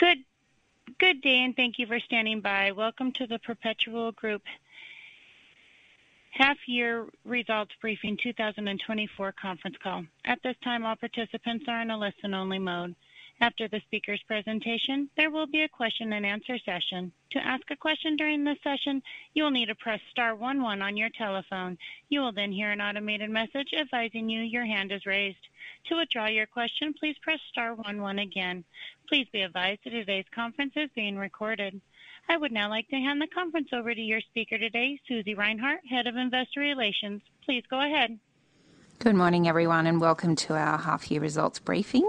Good morning, thank you for standing by. Welcome to the Perpetual Group half-year results briefing 2024 conference call. At this time, all participants are in a listen-only mode. After the speaker's presentation, there will be a question-and-answer session. To ask a question during this session, you will need to press star one one on your telephone. You will then hear an automated message advising you your hand is raised. To withdraw your question, please press star one one again. Please be advised that today's conference is being recorded. I would now like to hand the conference over to your speaker today, Susie Reinhardt, Head of Investor Relations. Please go ahead. Good morning, everyone, and welcome to our half-year results briefing.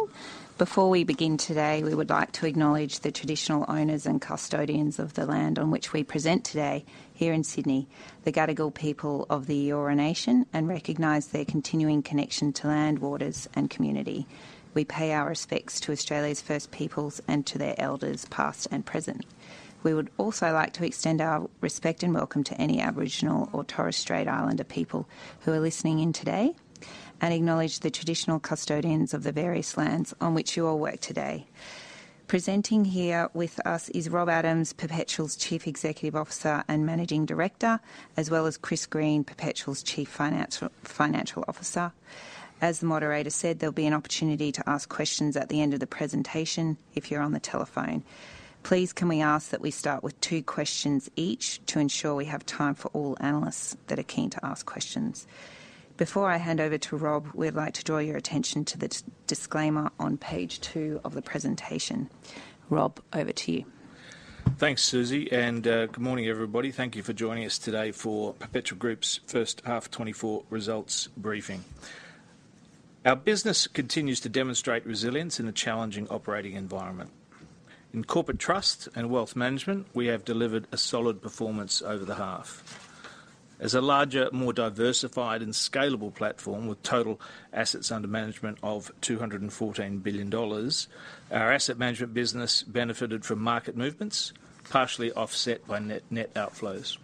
Before we begin today, we would like to acknowledge the traditional owners and custodians of the land on which we present today here in Sydney, the Gadigal people of the Eora Nation, and recognize their continuing connection to land, waters, and community. We pay our respects to Australia's First Peoples and to their elders, past and present. We would also like to extend our respect and welcome to any Aboriginal or Torres Strait Islander people who are listening in today, and acknowledge the traditional custodians of the various lands on which you all work today. Presenting here with us is Rob Adams, Perpetual's Chief Executive Officer and Managing Director, as well as Chris Green, Perpetual's Chief Financial Officer. As the moderator said, there will be an opportunity to ask questions at the end of the presentation if you're on the telephone. Please, can we ask that we start with two questions each to ensure we have time for all analysts that are keen to ask questions? Before I hand over to Rob, we'd like to draw your attention to the disclaimer on page two of the presentation. Rob, over to you. Thanks, Susie, and good morning, everybody. Thank you for joining us today for Perpetual Group's H1 2024 results briefing. Our business continues to demonstrate resilience in the challenging operating environment. In corporate trust and wealth management, we have delivered a solid performance over the half. As a larger, more diversified, and scalable platform with total assets under management of 214 billion dollars, our asset management business benefited from market movements, partially offset by net outflows.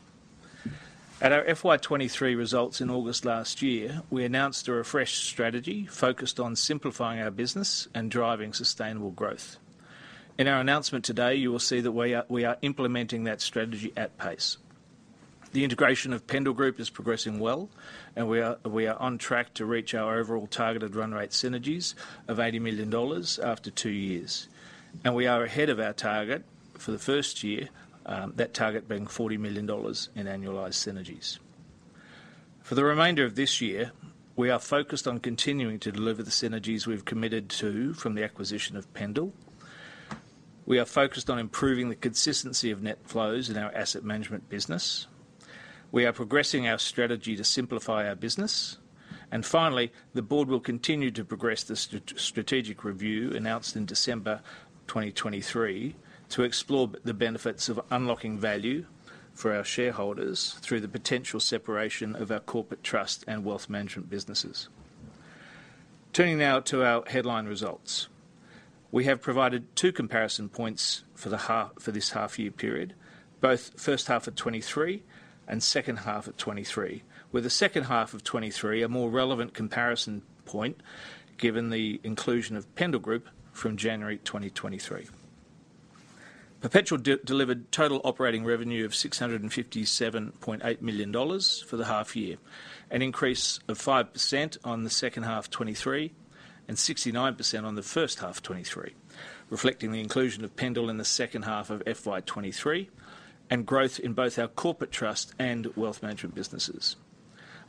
At our FY 2023 results in August last year, we announced a refreshed strategy focused on simplifying our business and driving sustainable growth. In our announcement today, you will see that we are implementing that strategy at pace. The integration of Pendal Group is progressing well, and we are on track to reach our overall targeted run-rate synergies of 80 million dollars after two years. We are ahead of our target for the first year, that target being 40 million dollars in annualized synergies. For the remainder of this year, we are focused on continuing to deliver the synergies we've committed to from the acquisition of Pendal. We are focused on improving the consistency of net flows in our asset management business. We are progressing our strategy to simplify our business. And finally, the board will continue to progress the strategic review announced in December 2023 to explore the benefits of unlocking value for our shareholders through the potential separation of our corporate trust and wealth management businesses. Turning now to our headline results. We have provided two comparison points for this half-year period, both H1 of 2023 and second half of 2023, where the second half of 2023 is a more relevant comparison point given the inclusion of Pendal Group from January 2023. Perpetual delivered total operating revenue of 657.8 million dollars for the half-year, an increase of 5% on the second half 2023 and 69% on the H1 2023, reflecting the inclusion of Pendal in the second half of FY 2023 and growth in both our corporate trust and wealth management businesses.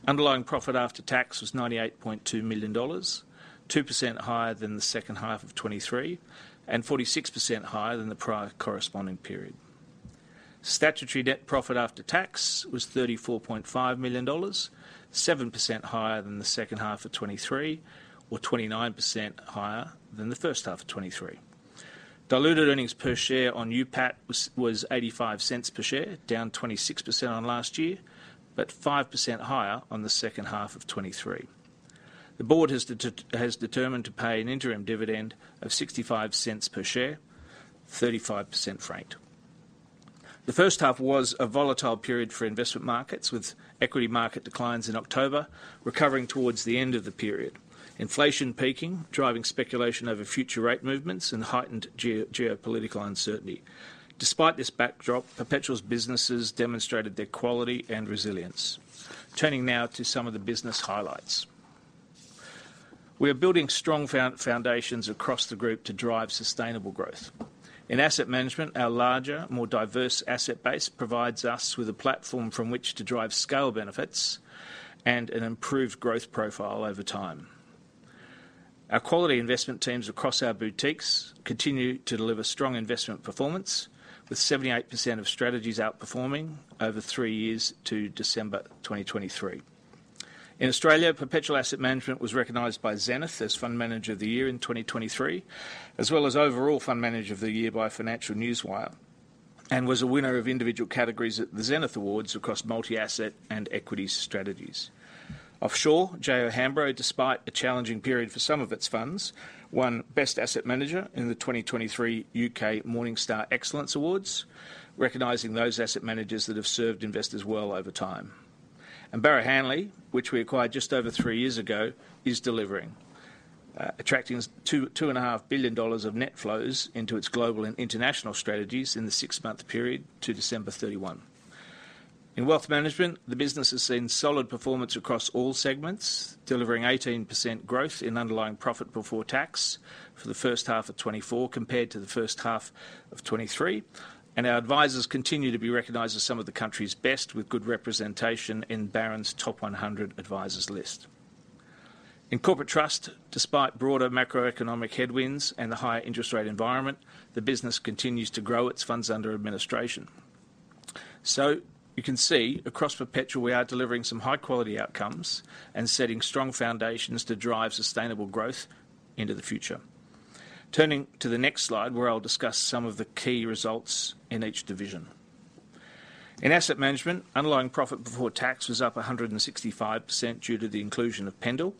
Underlying profit after tax was 98.2 million dollars, 2% higher than the second half of 2023 and 46% higher than the prior corresponding period. Statutory net profit after tax was AUD 34.5 million, 7% higher than the second half of 2023 or 29% higher than the H1 of 2023. Diluted earnings per share on UPAT was 0.85 per share, down 26% on last year, but 5% higher on the second half of 2023. The board has determined to pay an interim dividend of 0.65 per share, 35% franked. The H1 was a volatile period for investment markets, with equity market declines in October recovering towards the end of the period, inflation peaking, driving speculation over future rate movements, and heightened geopolitical uncertainty. Despite this backdrop, Perpetual's businesses demonstrated their quality and resilience. Turning now to some of the business highlights. We are building strong foundations across the group to drive sustainable growth. In asset management, our larger, more diverse asset base provides us with a platform from which to drive scale benefits and an improved growth profile over time. Our quality investment teams across our boutiques continue to deliver strong investment performance, with 78% of strategies outperforming over three years to December 2023. In Australia, Perpetual Asset Management was recognized by Zenith as Fund Manager of the Year in 2023, as well as Overall Fund Manager of the Year by Financial Newswire, and was a winner of individual categories at the Zenith Awards across multi-asset and equity strategies. Offshore, J.O. Hambro, despite a challenging period for some of its funds, won Best Asset Manager in the 2023 U.K. Morningstar Excellence Awards, recognizing those asset managers that have served investors well over time. Barrow Hanley, which we acquired just over three years ago, is delivering, attracting $2.5 billion of net flows into its global and international strategies in the six-month period to December 31, 2023. In wealth management, the business has seen solid performance across all segments, delivering 18% growth in underlying profit before tax for the H1 of 2024 compared to the H1 of 2023, and our advisors continue to be recognized as some of the country's best, with good representation in Barron's Top 100 Advisors list. In corporate trust, despite broader macroeconomic headwinds and the higher interest-rate environment, the business continues to grow its funds under administration. You can see, across Perpetual, we are delivering some high-quality outcomes and setting strong foundations to drive sustainable growth into the future. Turning to the next slide, where I will discuss some of the key results in each division. In asset management, underlying profit before tax was up 165% due to the inclusion of Pendal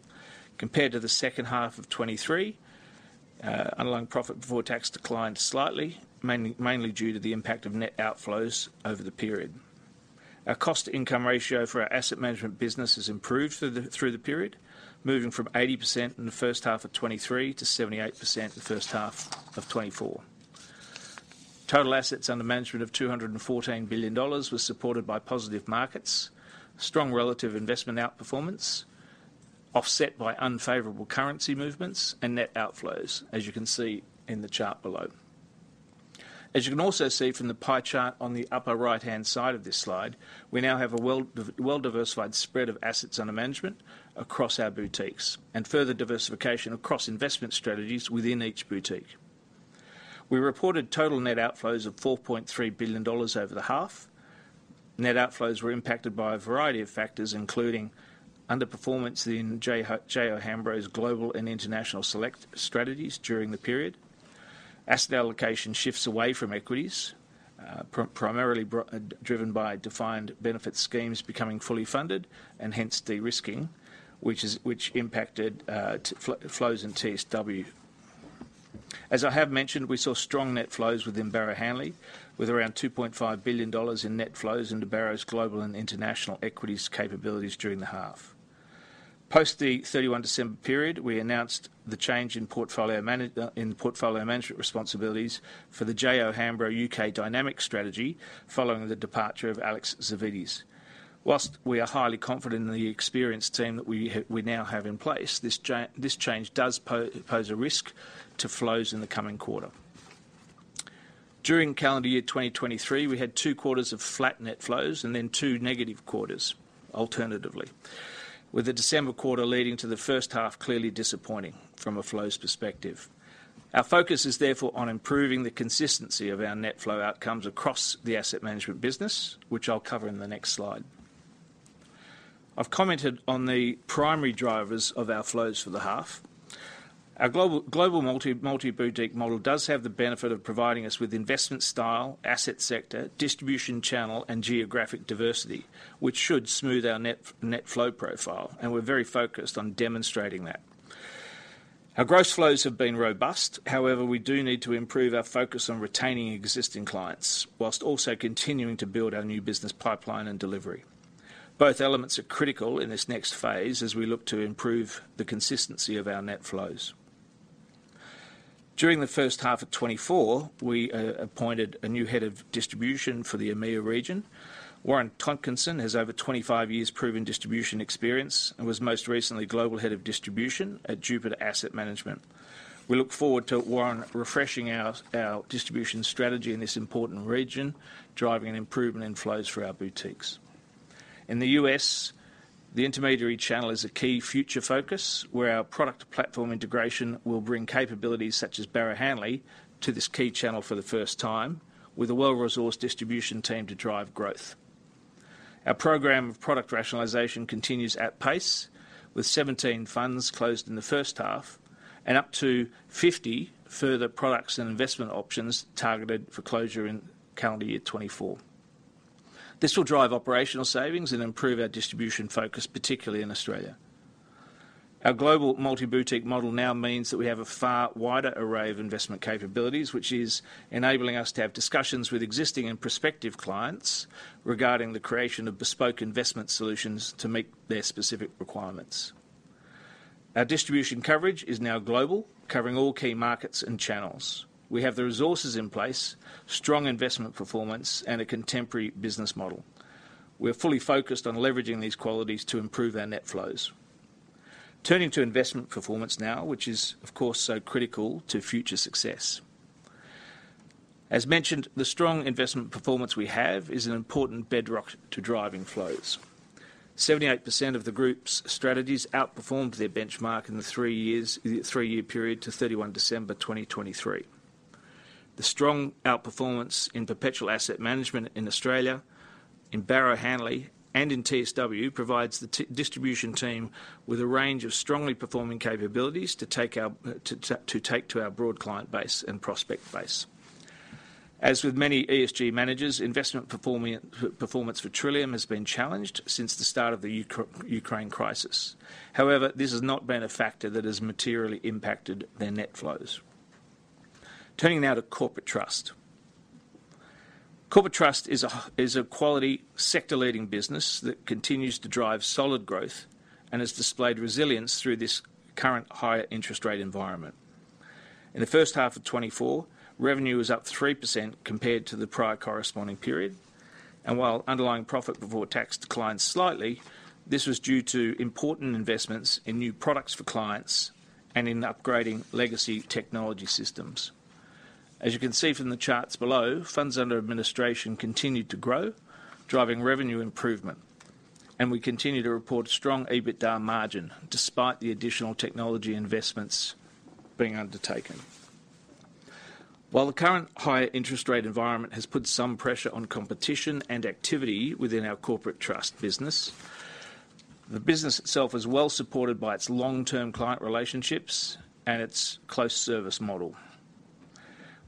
compared to the second half of 2023. Underlying profit before tax declined slightly, mainly due to the impact of net outflows over the period. Our cost-to-income ratio for our asset management business has improved through the period, moving from 80% in the H1 of 2023 to 78% in the H1 of 2024. Total assets under management of 214 billion dollars was supported by positive markets, strong relative investment outperformance offset by unfavorable currency movements, and net outflows, as you can see in the chart below. As you can also see from the pie chart on the upper-right-hand side of this slide, we now have a well-diversified spread of assets under management across our boutiques and further diversification across investment strategies within each boutique. We reported total net outflows of 4.3 billion dollars over the half. Net outflows were impacted by a variety of factors, including underperformance in J.O. Hambro's global and international select strategies during the period, asset allocation shifts away from equities, primarily driven by defined benefit schemes becoming fully funded and hence de-risking, which impacted flows in TSW. As I have mentioned, we saw strong net flows within Barrow Hanley, with around $2.5 billion in net flows into Barrow's global and international equities capabilities during the half. Post the 31 December period, we announced the change in portfolio management responsibilities for the J.O. Hambro U.K. Dynamic Strategy following the departure of Alex Savvides. While we are highly confident in the experienced team that we now have in place, this change does pose a risk to flows in the coming quarter. During calendar year 2023, we had two quarters of flat net flows and then two negative quarters, alternatively, with the December quarter leading to the H1 clearly disappointing from a flows perspective. Our focus is therefore on improving the consistency of our net flow outcomes across the asset management business, which I will cover in the next slide. I have commented on the primary drivers of our flows for the half. Our global multi-boutique model does have the benefit of providing us with investment style, asset sector, distribution channel, and geographic diversity, which should smooth our net flow profile, and we're very focused on demonstrating that. Our gross flows have been robust. However, we do need to improve our focus on retaining existing clients while also continuing to build our new business pipeline and delivery. Both elements are critical in this next phase as we look to improve the consistency of our net flows. During the H1 of 2024, we appointed a new head of distribution for the EMEA region. Warren Tonkinson has over 25 years proven distribution experience and was most recently global head of distribution at Jupiter Asset Management. We look forward to Warren refreshing our distribution strategy in this important region, driving an improvement in flows for our boutiques. In the U.S., the intermediary channel is a key future focus, where our product-to-platform integration will bring capabilities such as Barrow Hanley to this key channel for the first time, with a well-resourced distribution team to drive growth. Our program of product rationalization continues at pace, with 17 funds closed in the H1 and up to 50 further products and investment options targeted for closure in calendar year 2024. This will drive operational savings and improve our distribution focus, particularly in Australia. Our global multi-boutique model now means that we have a far wider array of investment capabilities, which is enabling us to have discussions with existing and prospective clients regarding the creation of bespoke investment solutions to meet their specific requirements. Our distribution coverage is now global, covering all key markets and channels. We have the resources in place, strong investment performance, and a contemporary business model. We are fully focused on leveraging these qualities to improve our net flows. Turning to investment performance now, which is, of course, so critical to future success. As mentioned, the strong investment performance we have is an important bedrock to driving flows. 78% of the group's strategies outperformed their benchmark in the three-year period to 31 December 2023. The strong outperformance in Perpetual Asset Management in Australia, in Barrow Hanley, and in TSW provides the distribution team with a range of strongly performing capabilities to take to our broad client base and prospect base. As with many ESG managers, investment performance for Trillium has been challenged since the start of the Ukraine crisis. However, this has not been a factor that has materially impacted their net flows. Turning now to Corporate Trust. Corporate Trust is a quality sector-leading business that continues to drive solid growth and has displayed resilience through this current higher interest-rate environment. In the H1 of 2024, revenue was up 3% compared to the prior corresponding period, and while underlying profit before tax declined slightly, this was due to important investments in new products for clients and in upgrading legacy technology systems. As you can see from the charts below, funds under administration continue to grow, driving revenue improvement, and we continue to report a strong EBITDA margin despite the additional technology investments being undertaken. While the current higher interest-rate environment has put some pressure on competition and activity within our corporate trust business, the business itself is well supported by its long-term client relationships and its close service model.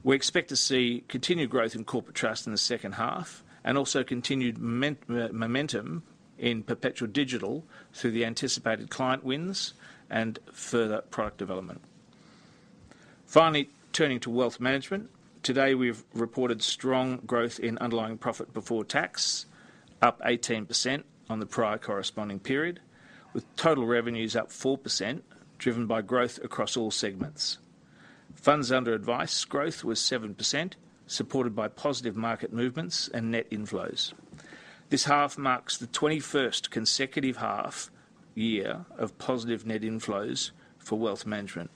We expect to see continued growth in corporate trust in the second half and also continued momentum in Perpetual Digital through the anticipated client wins and further product development. Finally, turning to wealth management. Today, we have reported strong growth in underlying profit before tax, up 18% on the prior corresponding period, with total revenues up 4%, driven by growth across all segments. Funds under advice growth was 7%, supported by positive market movements and net inflows. This half marks the 21st consecutive half-year of positive net inflows for wealth management,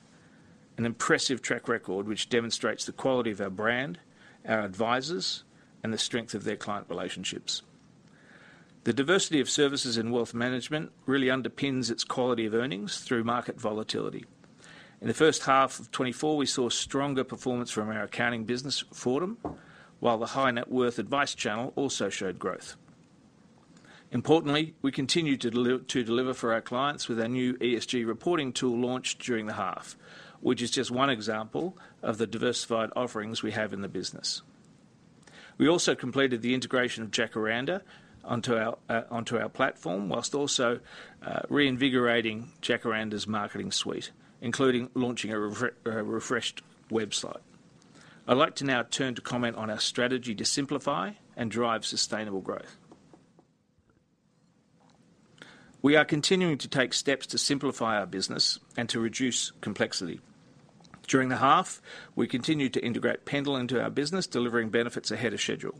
an impressive track record which demonstrates the quality of our brand, our advisors, and the strength of their client relationships. The diversity of services in wealth management really underpins its quality of earnings through market volatility. In the H1 of 2024, we saw stronger performance from our accounting business, Fordham, while the high-net-worth advice channel also showed growth. Importantly, we continue to deliver for our clients with our new ESG reporting tool launched during the half, which is just one example of the diversified offerings we have in the business. We also completed the integration of Jacaranda onto our platform whilst also reinvigorating Jacaranda's marketing suite, including launching a refreshed website. I would like to now turn to comment on our strategy to simplify and drive sustainable growth. We are continuing to take steps to simplify our business and to reduce complexity. During the half, we continue to integrate Pendal into our business, delivering benefits ahead of schedule.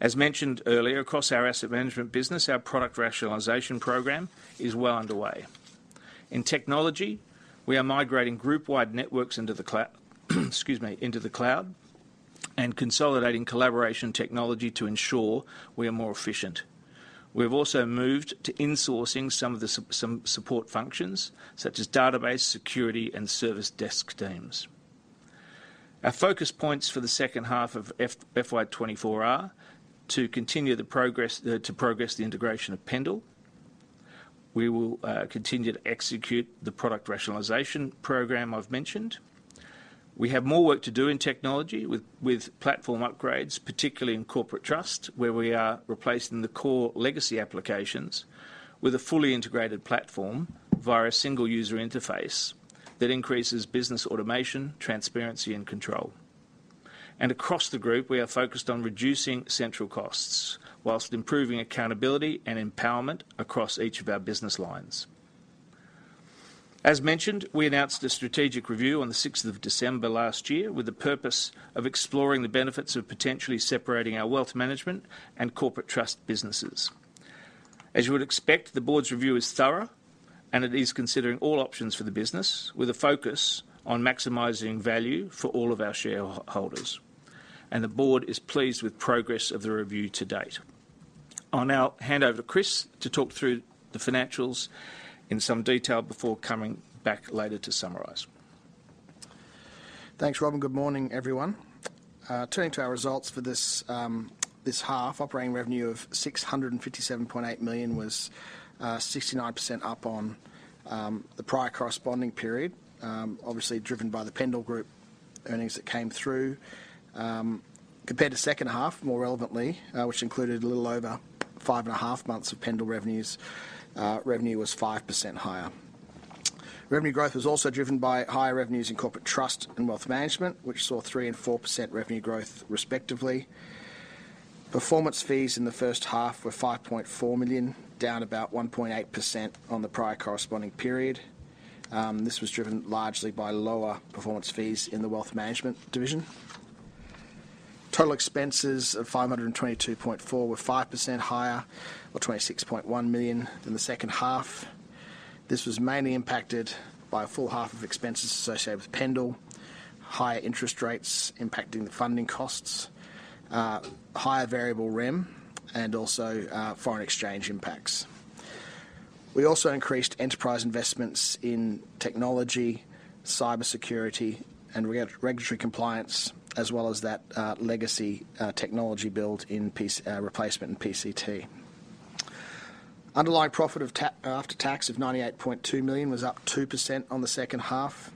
As mentioned earlier, across our asset management business, our product rationalization program is well underway. In technology, we are migrating group-wide networks into the cloud and consolidating collaboration technology to ensure we are more efficient. We have also moved to insourcing some of the support functions, such as database, security, and service desk teams. Our focus points for the second half of FY 2024 are to continue the progress to the integration of Pendal. We will continue to execute the product rationalization program I have mentioned. We have more work to do in technology with platform upgrades, particularly in corporate trust, where we are replacing the core legacy applications with a fully integrated platform via a single user interface that increases business automation, transparency, and control. Across the group, we are focused on reducing central costs while improving accountability and empowerment across each of our business lines. As mentioned, we announced a strategic review on the 6th of December last year with the purpose of exploring the benefits of potentially separating our wealth management and corporate trust businesses. As you would expect, the board's review is thorough, and it is considering all options for the business with a focus on maximizing value for all of our shareholders. The board is pleased with progress of the review to date. I will now hand over to Chris to talk through the financials in some detail before coming back later to summarize. Thanks, Rob. Good morning, everyone. Turning to our results for this half, operating revenue of 657.8 million was 69% up on the prior corresponding period, obviously driven by the Pendal Group earnings that came through. Compared to the second half, more relevantly, which included a little over five and a half months of Pendal revenues, revenue was 5% higher. Revenue growth was also driven by higher revenues in corporate trust and wealth management, which saw 3% and 4% revenue growth, respectively. Performance fees in the H1 were 5.4 million, down about 1.8% on the prior corresponding period. This was driven largely by lower performance fees in the wealth management division. Total expenses of 522.4 million were 5% higher, or 26.1 million, than the second half. This was mainly impacted by a full half of expenses associated with Pendal, higher interest rates impacting the funding costs, higher variable rem, and also foreign exchange impacts. We also increased enterprise investments in technology, cybersecurity, and regulatory compliance, as well as that legacy technology build in replacement and PCT. Underlying profit after tax of 98.2 million was up 2% on the second half.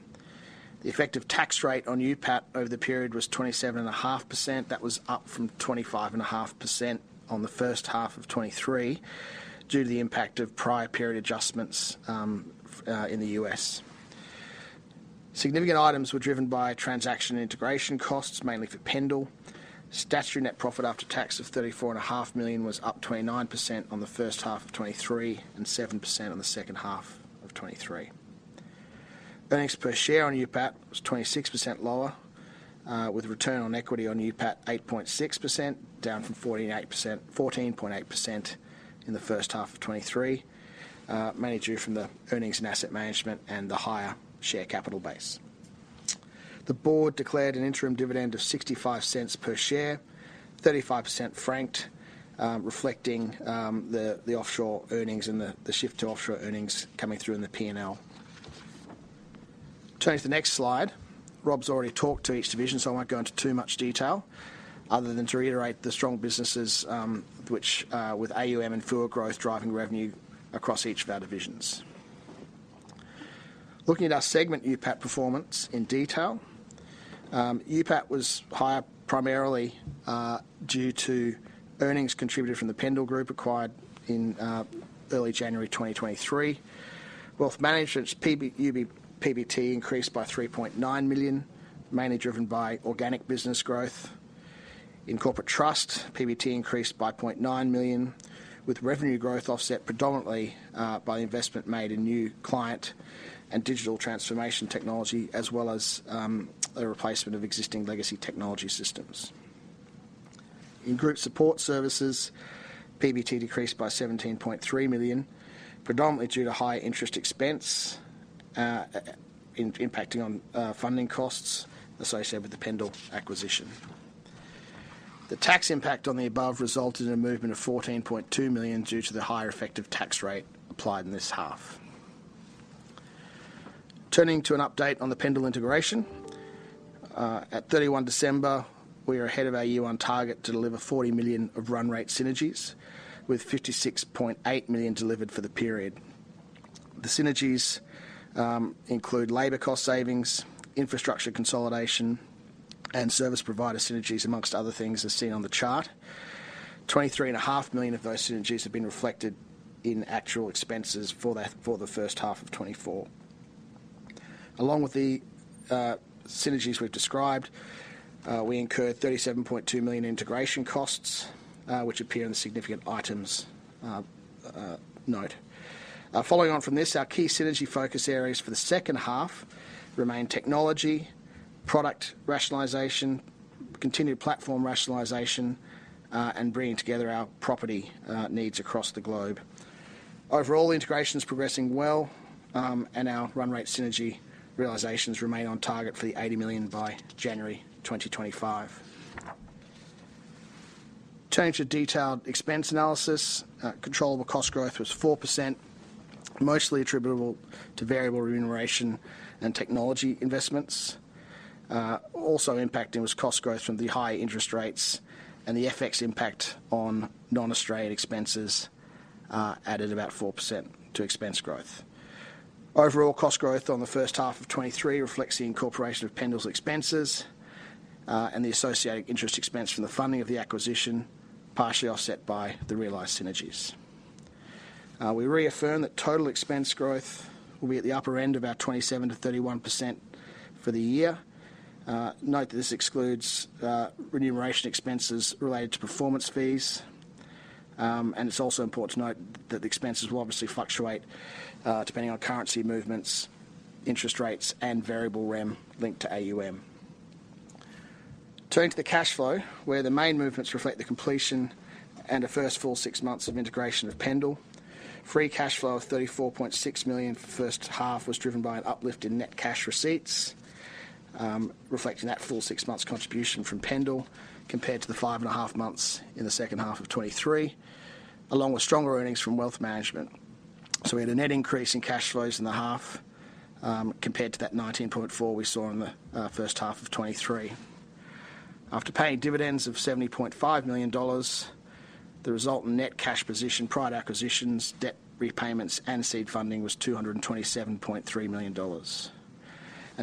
The effective tax rate on UPAT over the period was 27.5%. That was up from 25.5% on the H1 of 2023 due to the impact of prior period adjustments in the U.S. Significant items were driven by transaction integration costs, mainly for Pendal. Statutory net profit after tax of 34.5 million was up 29% on the H1 of 2023 and 7% on the second half of 2023. Earnings per share on UPAT was 26% lower, with return on equity on UPAT 8.6%, down from 14.8% in the H1 of 2023, mainly due from the earnings in asset management and the higher share capital base. The board declared an interim dividend of 0.65 per share, 35% franked, reflecting the offshore earnings and the shift to offshore earnings coming through in the P&L. Turning to the next slide. Rob has already talked to each division, so I won't go into too much detail other than to reiterate the strong businesses which with AUM and FUA growth driving revenue across each of our divisions. Looking at our segment UPAT performance in detail, UPAT was higher primarily due to earnings contributed from the Pendal Group acquired in early January 2023. Wealth management's PBT increased by 3.9 million, mainly driven by organic business growth. In corporate trust, PBT increased by 0.9 million, with revenue growth offset predominantly by the investment made in new client and digital transformation technology, as well as the replacement of existing legacy technology systems. In group support services, PBT decreased by 17.3 million, predominantly due to high interest expense impacting on funding costs associated with the Pendal acquisition. The tax impact on the above resulted in a movement of 14.2 million due to the higher effective tax rate applied in this half. Turning to an update on the Pendal integration. At 31 December, we are ahead of our year-one target to deliver 40 million of run-rate synergies, with 56.8 million delivered for the period. The synergies include labor cost savings, infrastructure consolidation, and service provider synergies, among other things as seen on the chart. 23.5 million of those synergies have been reflected in actual expenses for the H1 of 2024. Along with the synergies we have described, we incurred 37.2 million integration costs, which appear in the significant items note. Following on from this, our key synergy focus areas for the second half remain technology, product rationalization, continued platform rationalization, and bringing together our property needs across the globe. Overall, the integration is progressing well, and our run-rate synergy realisations remain on target for the 80 million by January 2025. Turning to detailed expense analysis, controllable cost growth was 4%, mostly attributable to variable remuneration and technology investments. Also impacting was cost growth from the high interest rates and the FX impact on non-Australian expenses, added about 4% to expense growth. Overall cost growth on the H1 of 2023 reflects the incorporation of Pendal's expenses and the associated interest expense from the funding of the acquisition, partially offset by the realized synergies. We reaffirm that total expense growth will be at the upper end of our 27%-31% for the year. Note that this excludes remuneration expenses related to performance fees. It's also important to note that the expenses will obviously fluctuate depending on currency movements, interest rates, and variable rem linked to AUM. Turning to the cash flow, where the main movements reflect the completion and the first full six months of integration of Pendal. Free cash flow of 34.6 million for the H1 was driven by an uplift in net cash receipts, reflecting that full six months' contribution from Pendal compared to the five and a half months in the second half of 2023, along with stronger earnings from wealth management. So we had a net increase in cash flows in the half compared to that 19.4 we saw in the H1 of 2023. After paying dividends of 70.5 million dollars, the resultant net cash position prior to acquisitions, debt repayments, and seed funding was 227.3 million dollars.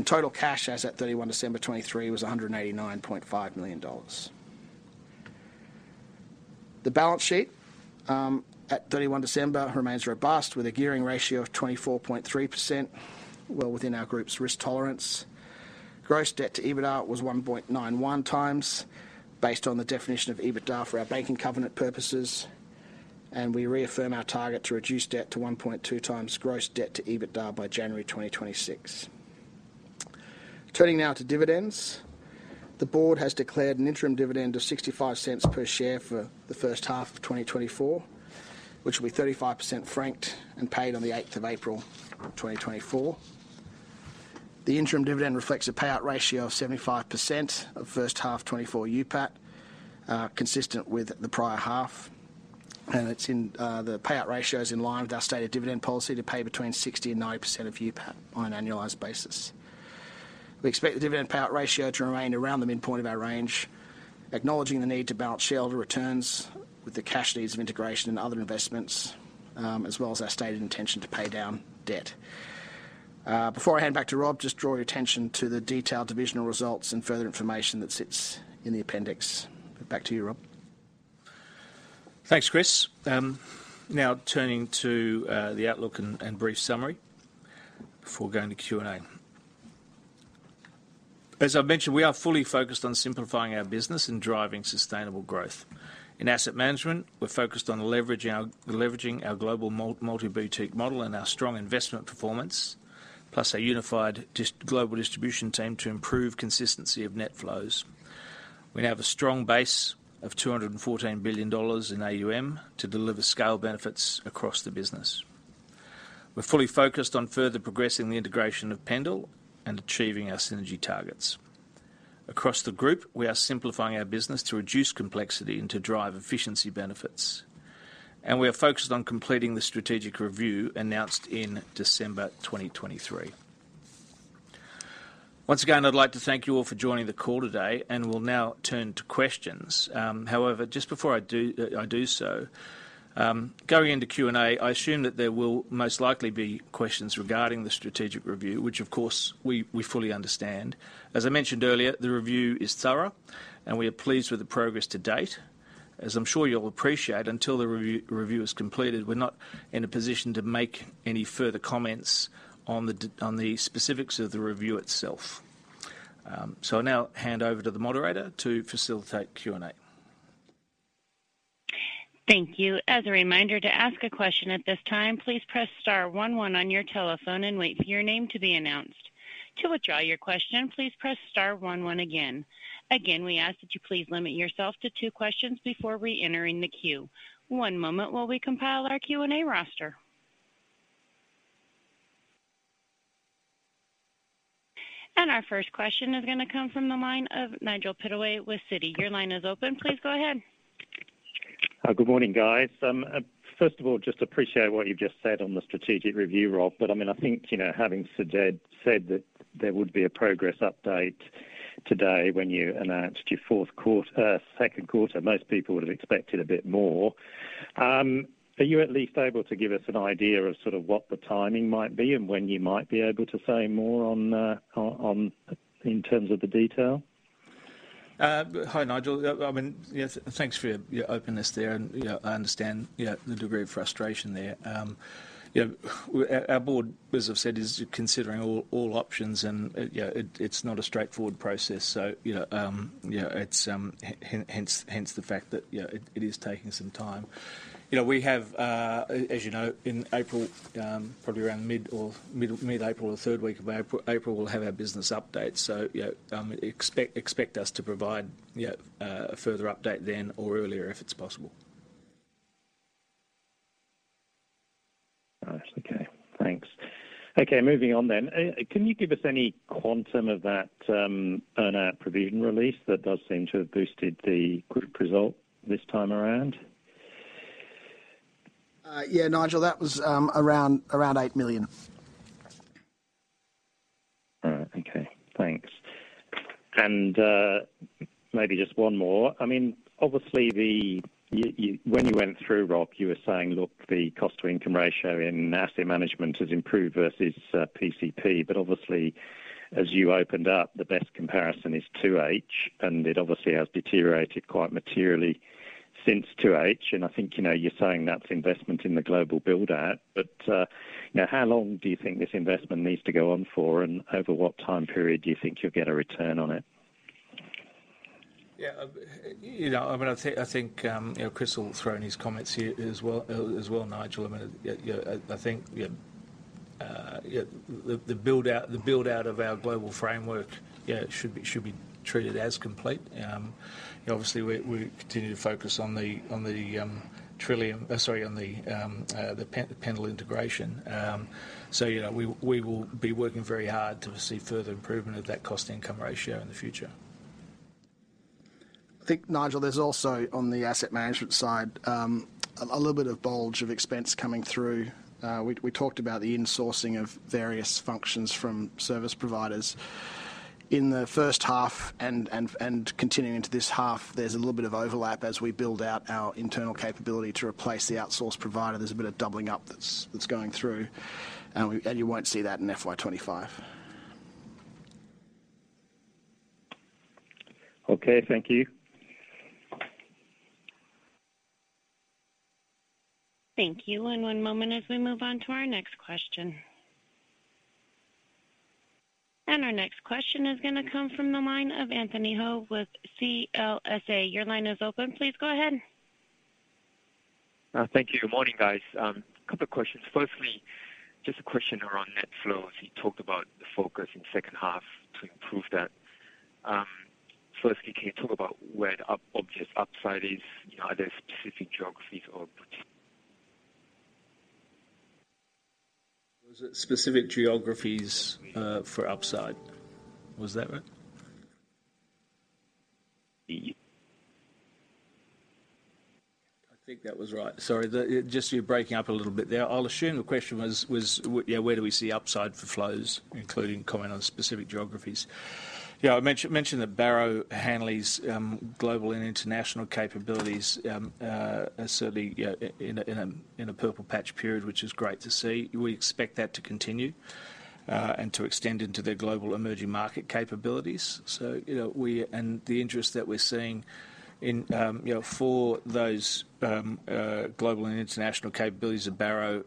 Total cash as at 31 December 2023 was 189.5 million dollars. The balance sheet at 31 December remains robust, with a gearing ratio of 24.3%, well within our group's risk tolerance. Gross debt to EBITDA was 1.91x, based on the definition of EBITDA for our banking covenant purposes. We reaffirm our target to reduce debt to 1.2x gross debt to EBITDA by January 2026. Turning now to dividends. The board has declared an interim dividend of 0.65 per share for the H1 of 2024, which will be 35% franked and paid on the 8th of April 2024. The interim dividend reflects a payout ratio of 75% of H1 2024 UPAT, consistent with the prior half. Its payout ratio is in line with our stated dividend policy to pay between 60% and 90% of UPAT on an annualized basis. We expect the dividend payout ratio to remain around the midpoint of our range, acknowledging the need to balance shareholder returns with the cash needs of integration and other investments, as well as our stated intention to pay down debt. Before I hand back to Rob, just draw your attention to the detailed divisional results and further information that sits in the appendix. But back to you, Rob. Thanks, Chris. Now turning to the outlook and brief summary before going to Q&A. As I mentioned, we are fully focused on simplifying our business and driving sustainable growth. In asset management, we're focused on leveraging our global multi-boutique model and our strong investment performance, plus our unified global distribution team to improve consistency of net flows. We now have a strong base of 214 billion dollars in AUM to deliver scale benefits across the business. We're fully focused on further progressing the integration of Pendal and achieving our synergy targets. Across the group, we are simplifying our business to reduce complexity and to drive efficiency benefits. We are focused on completing the strategic review announced in December 2023. Once again, I'd like to thank you all for joining the call today. We'll now turn to questions. However, just before I do so, going into Q&A, I assume that there will most likely be questions regarding the strategic review, which, of course, we fully understand. As I mentioned earlier, the review is thorough, and we are pleased with the progress to date. As I'm sure you'll appreciate, until the review is completed, we're not in a position to make any further comments on the specifics of the review itself. So I now hand over to the operator to facilitate Q&A. Thank you. As a reminder, to ask a question at this time, please press star one one on your telephone and wait for your name to be announced. To withdraw your question, please press star one one again. Again, we ask that you please limit yourself to two questions before reentering the queue. One moment while we compile our Q&A roster. Our first question is going to come from the line of Nigel Pittaway with Citi. Your line is open. Please go ahead. Good morning, guys. First of all, I just appreciate what you've just said on the strategic review, Rob. But I mean, I think, you know, having Susie said that there would be a progress update today when you announced your Q4, Q2, most people would have expected a bit more. Are you at least able to give us an idea of sort of what the timing might be and when you might be able to say more on in terms of the detail? Hi, Nigel. I mean, yes, thanks for your openness there. You know, I understand, yeah, the degree of frustration there. You know, our board, as I've said, is considering all options. You know, it's not a straightforward process. So you know, yeah, it's hence the fact that, yeah, it is taking some time. You know, we have, as you know, in April, probably around mid-April or third week of April, we'll have our business update. So yeah, expect us to provide, yeah, a further update then or earlier if it's possible. That's OK. Thanks. OK, moving on then. Can you give us any quantum of that earn-out provision release that does seem to have boosted the group result this time around? Yeah, Nigel, that was around 8 million. All right. OK. Thanks. And maybe just one more. I mean, obviously, when you went through, Rob, you were saying, look, the cost-to-income ratio in asset management has improved versus PCP. But obviously, as you opened up, the best comparison is 2H, and it obviously has deteriorated quite materially since 2H. And I think, you know, you're saying that's investment in the global build-out. But now, how long do you think this investment needs to go on for, and over what time period do you think you'll get a return on it? Yeah, you know, I mean, I think, you know, Chris will throw in his comments as well, as well, Nigel. I mean, yeah, I think the build-out of our global framework should be treated as complete. Obviously, we continue to focus on the trillion, sorry, on the Pendal integration. So, you know, we will be working very hard to see further improvement of that cost-to-income ratio in the future. I think, Nigel, there's also, on the asset management side, a little bit of bulge of expense coming through. We talked about the insourcing of various functions from service providers. In the H1 and continuing into this half, there's a little bit of overlap as we build out our internal capability to replace the outsourced provider. There's a bit of doubling up that's going through. And you won't see that in FY 2025. OK. Thank you. Thank you. And one moment as we move on to our next question. And our next question is going to come from the line of Anthony Hoo with CLSA. Your line is open. Please go ahead. Thank you. Good morning, guys. A couple of questions. Firstly, just a question around net flows. You talked about the focus in the second half to improve that. Firstly, can you talk about where the expected upside is? You know, are there specific geographies or? Was it specific geographies for upside? Was that right? I think that was right. Sorry, just you're breaking up a little bit there. I'll assume the question was, yeah, where do we see upside for flows, including comment on specific geographies. Yeah, I mentioned that Barrow Hanley's global and international capabilities are certainly, yeah, in a purple patch period, which is great to see. We expect that to continue and to extend into their global emerging market capabilities. So, you know, we and the interest that we're seeing in, you know, for those global and international capabilities of Barrow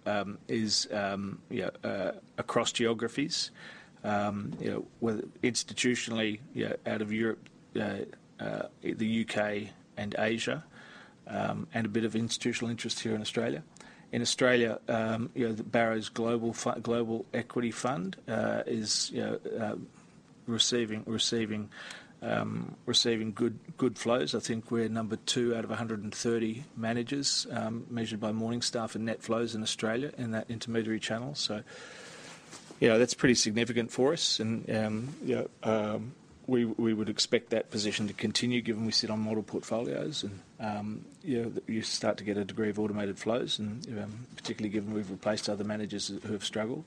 is, you know, across geographies, you know, whether institutionally, you know, out of Europe, the U.K., and Asia, and a bit of institutional interest here in Australia. In Australia, you know, Barrow's global equity fund is, you know, receiving good flows. I think we're number 2 out of 130 managers, measured by Morningstar, in net flows in Australia in that intermediary channel. So, you know, that's pretty significant for us. And, you know, we would expect that position to continue given we sit on model portfolios. And, you know, you start to get a degree of automated flows, and particularly given we've replaced other managers who have struggled.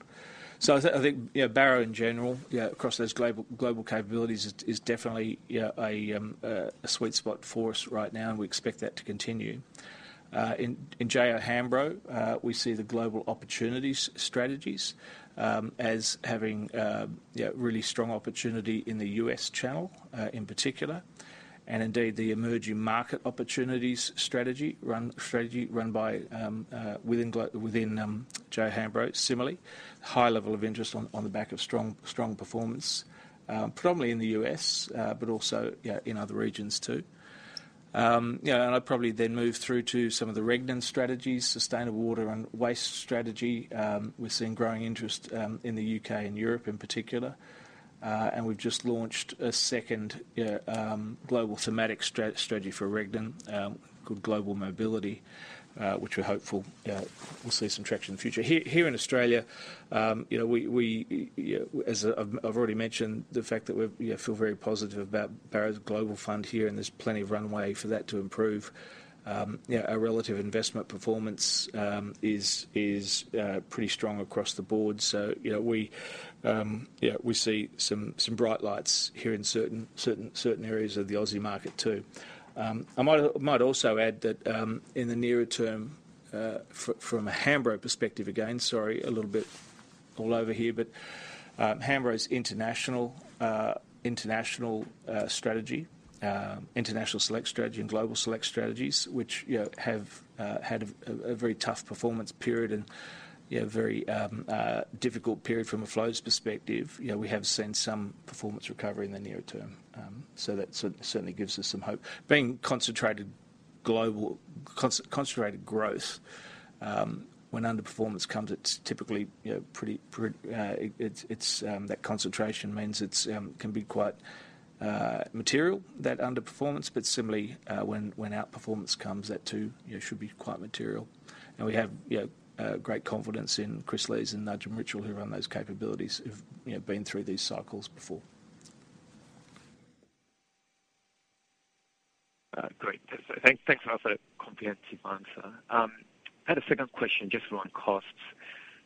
So I think, you know, Barrow in general, yeah, across those global capabilities is definitely a sweet spot for us right now, and we expect that to continue. In J.O. Hambro, we see the global opportunities strategies as having really strong opportunity in the U.S. channel in particular, and indeed the emerging market opportunities strategy run by within J.O. Hambro, similarly. High level of interest on the back of strong performance, predominantly in the U.S., but also in other regions too. You know, and I'd probably then move through to some of the Regnan strategies, Sustainable Water and Waste Strategy. We're seeing growing interest in the U.K. and Europe in particular. And we've just launched a second global thematic strategy for Regnan called Global Mobility, which we're hopeful we'll see some traction in the future. Here in Australia, you know, as I've already mentioned, the fact that we feel very positive about Barrow's global fund here and there's plenty of runway for that to improve, you know, our relative investment performance is pretty strong across the board. So, you know, we see some bright lights here in certain areas of the Aussie market too. I might also add that in the nearer term, from a Hambro perspective again, sorry, a little bit all over here, but Hambro's International Select strategy and Global Select strategies, which have had a very tough performance period and a very difficult period from a flows perspective, we have seen some performance recovery in the nearer term. So that certainly gives us some hope. Being concentrated global concentrated growth, when underperformance comes, it's typically pretty that concentration means it can be quite material, that underperformance. But similarly, when outperformance comes, that too should be quite material. And we have great confidence in Chris Lees and Nudgem Richyal, who run those capabilities, who've been through these cycles before. Great. Thanks for that comprehensive answer. I had a second question, just around costs.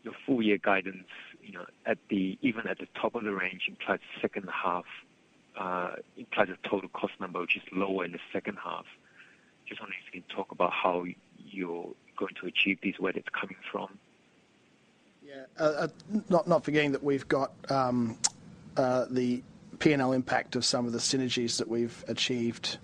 Your full-year guidance, you know, even at the top of the range implies a second half implies a total cost number which is lower in the second half. Just wondering if you can talk about how you're going to achieve this, where it's coming from. Yeah, not forgetting that we've got the P&L impact of some of the synergies that we've achieved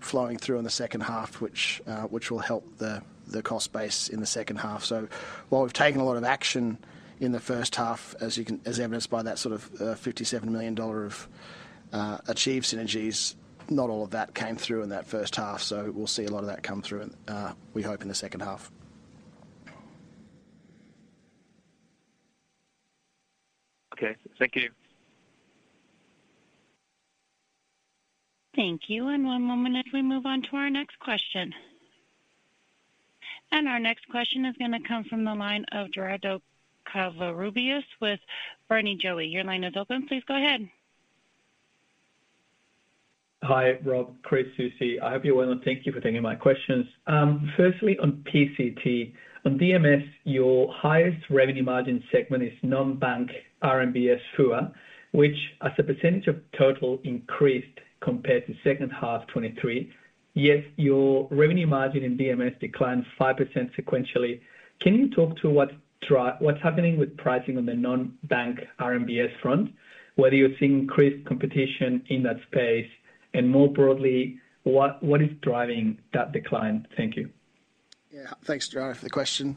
flowing through in the second half, which will help the cost base in the second half. So while we've taken a lot of action in the H1, as evidenced by that sort of 57 million dollar of achieved synergies, not all of that came through in that H1. So we'll see a lot of that come through, we hope, in the second half. OK. Thank you. Thank you. And one moment as we move on to our next question. And our next question is going to come from the line of Gerardo Covarrubias with UBS. Your line is open. Please go ahead. Hi, Rob. Chris, Susie. I hope you're well. And thank you for taking my questions. Firstly, on PCT, on DMS, your highest revenue margin segment is non-bank RMBS FUA, which, as a percentage of total, increased compared to second half 2023. Yet, your revenue margin in DMS declined 5% sequentially. Can you talk to what's happening with pricing on the non-bank RMBS front, whether you're seeing increased competition in that space? And more broadly, what is driving that decline? Thank you. Yeah, thanks, Gerardo, for the question.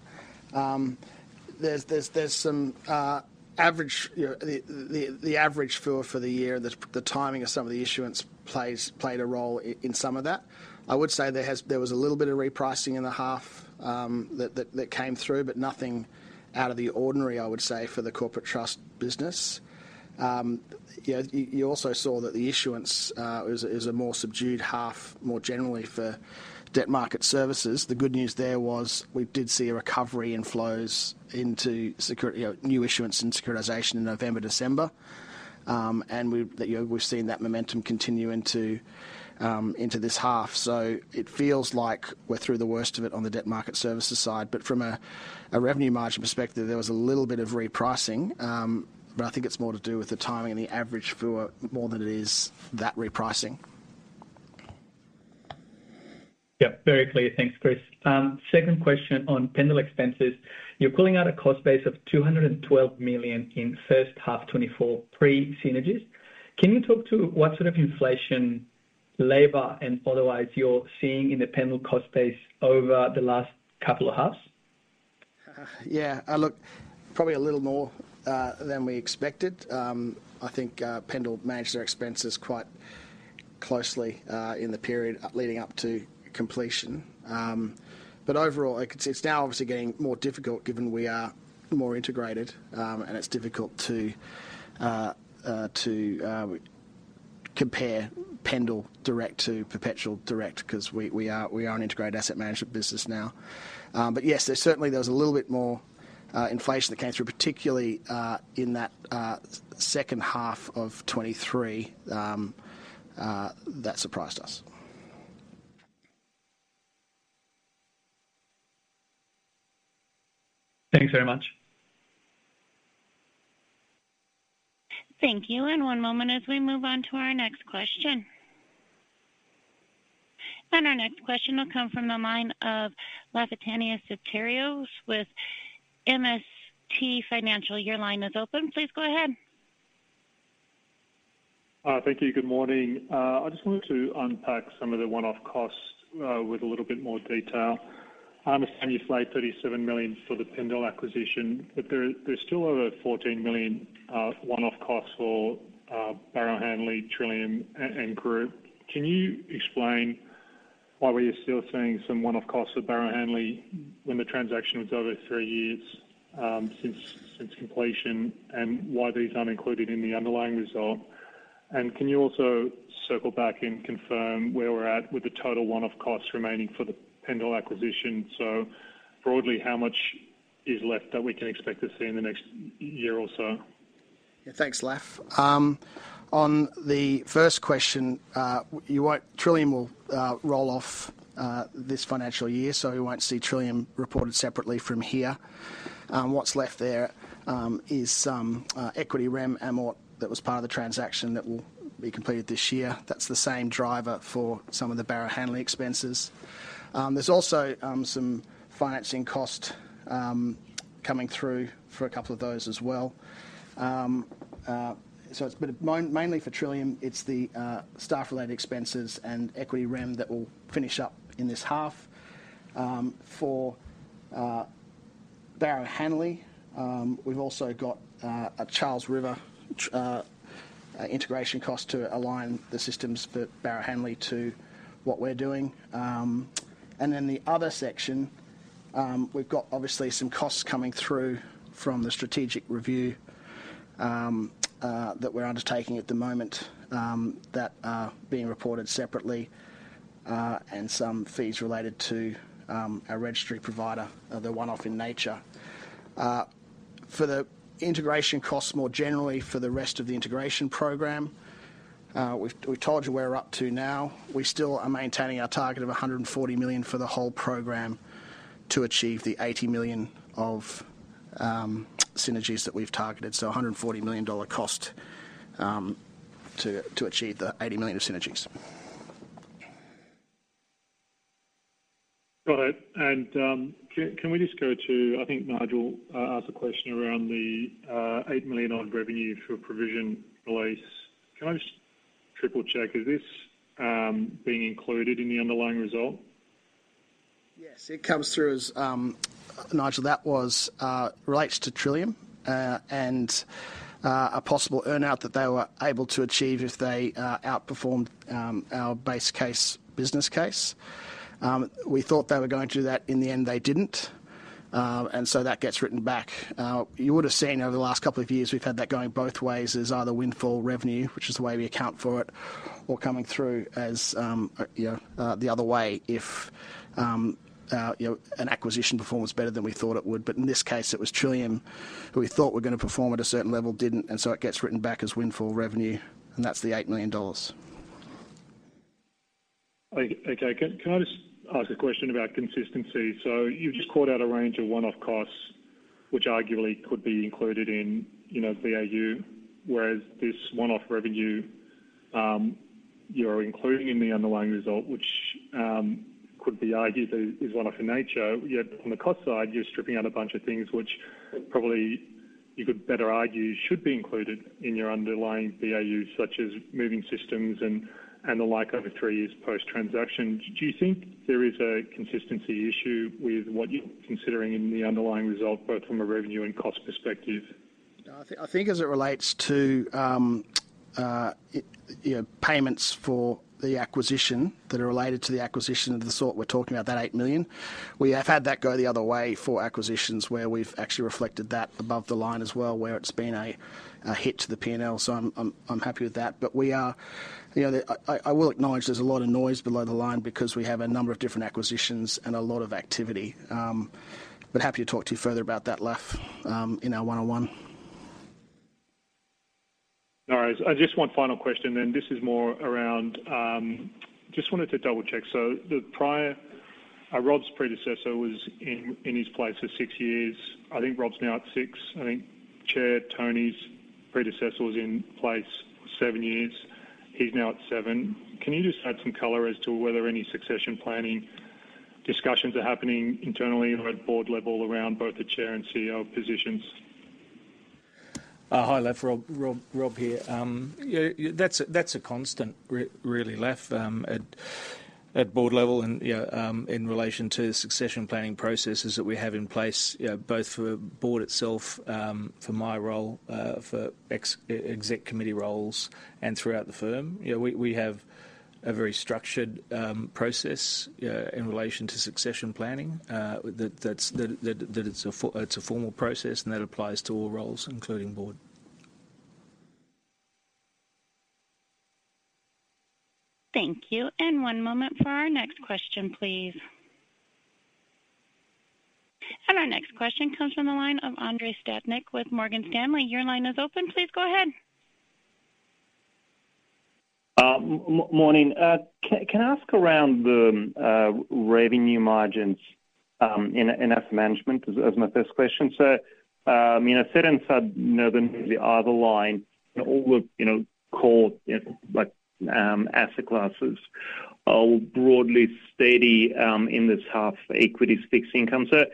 There's some average, the average FUA for the year, the timing of some of the issuance played a role in some of that. I would say there was a little bit of repricing in the half that came through, but nothing out of the ordinary, I would say, for the corporate trust business. You also saw that the issuance is a more subdued half, more generally, for debt market services. The good news there was we did see a recovery in flows into new issuance and securitization in November, December. And we've seen that momentum continue into this half. So it feels like we're through the worst of it on the debt market services side. But from a revenue margin perspective, there was a little bit of repricing. But I think it's more to do with the timing and the average FUA more than it is that repricing. Yep, very clear. Thanks, Chris. Second question on Pendal expenses. You're pulling out a cost base of 212 million in H1 2024 pre-synergies. Can you talk to what sort of inflation, labor, and otherwise you're seeing in the Pendal cost base over the last couple of halves? Yeah, look, probably a little more than we expected. I think Pendal managed their expenses quite closely in the period leading up to completion. But overall, it's now obviously getting more difficult given we are more integrated. It's difficult to compare Pendal direct to Perpetual direct because we are an integrated asset management business now. But yes, certainly there was a little bit more inflation that came through, particularly in that second half of 2023 that surprised us. Thanks very much. Thank you. One moment as we move on to our next question. Our next question will come from the line of Lafitani Soteriou with MST Financial. Your line is open. Please go ahead. Thank you. Good morning. I just wanted to unpack some of the one-off costs with a little bit more detail. I understand you flagged 37 million for the Pendal acquisition, but there's still over 14 million one-off costs for Barrow Hanley, Trillium, and Group. Can you explain why we are still seeing some one-off costs for Barrow Hanley when the transaction was over three years since completion and why these aren't included in the underlying result? And can you also circle back and confirm where we're at with the total one-off costs remaining for the Pendal acquisition? So broadly, how much is left that we can expect to see in the next year or so? Yeah, thanks, Laf. On the first question, Trillium will roll off this financial year, so we won't see Trillium reported separately from here. What's left there is some equity rem, amort, that was part of the transaction that will be completed this year. That's the same driver for some of the Barrow Hanley expenses. There's also some financing cost coming through for a couple of those as well. So it's mainly for Trillium. It's the staff-related expenses and equity rem that will finish up in this half. For Barrow Hanley, we've also got a Charles River integration cost to align the systems for Barrow Hanley to what we're doing. Then the other section, we've got obviously some costs coming through from the strategic review that we're undertaking at the moment that are being reported separately and some fees related to our registry provider. They're one-off in nature. For the integration costs more generally, for the rest of the integration program, we've told you where we're up to now. We still are maintaining our target of 140 million for the whole program to achieve the 80 million of synergies that we've targeted. So 140 million dollar cost to achieve the 80 million of synergies. Got it. Can we just go to I think Nigel asked a question around the 8 million odd revenue for provision release. Can I just triple-check, is this being included in the underlying result? Yes, it comes through as Nigel, that relates to Trillium and a possible earnout that they were able to achieve if they outperformed our base case business case. We thought they were going to do that. In the end, they didn't. And so that gets written back. You would have seen over the last couple of years we've had that going both ways as either windfall revenue, which is the way we account for it, or coming through as the other way if an acquisition performs better than we thought it would. But in this case, it was Trillium who we thought were going to perform at a certain level, didn't. It gets written back as windfall revenue. That's the AUD 8 million. OK. Can I just ask a question about consistency? So you've just called out a range of one-off costs which arguably could be included in BAU, whereas this one-off revenue you're including in the underlying result, which could be argued is one-off in nature, yet on the cost side, you're stripping out a bunch of things which probably you could better argue should be included in your underlying BAU, such as moving systems and the like over three years post-transaction. Do you think there is a consistency issue with what you're considering in the underlying result, both from a revenue and cost perspective? I think as it relates to payments for the acquisition that are related to the acquisition of the sort we're talking about, that 8 million, we have had that go the other way for acquisitions where we've actually reflected that above the line as well, where it's been a hit to the P&L. So I'm happy with that. But I will acknowledge there's a lot of noise below the line because we have a number of different acquisitions and a lot of activity. But happy to talk to you further about that, Laf, in our one-on-one. All right. Just one final question then. This is more around just wanted to double-check. So Rob's predecessor was in his place for six years. I think Rob's now at six. I think Chair Tony's predecessor was in place for seven years. He's now at seven. Can you just add some color as to whether any succession planning discussions are happening internally or at board level around both the chair and CEO positions? Hi, Laf. Rob here. That's a constant, really, Laf, at board level and in relation to the succession planning processes that we have in place, both for the board itself, for my role, for exec committee roles, and throughout the firm. We have a very structured process in relation to succession planning that it's a formal process and that applies to all roles, including board. Thank you. And one moment for our next question, please. And our next question comes from the line of Andrei Stadnik with Morgan Stanley. Your line is open. Please go ahead. Morning. Can I ask around the revenue margins in asset management as my first question? So I've said in Southern region, the other line, all the core asset classes are broadly steady in this half, equities, fixed income. So